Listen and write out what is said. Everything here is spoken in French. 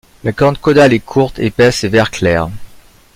La corne caudale est courte, épaisse et vert clair.